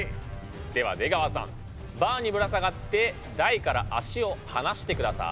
では出川さんバーにぶら下がって台から足を離してください。